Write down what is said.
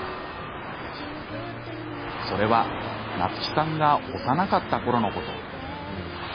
それは菜月さんが幼かったころのこと。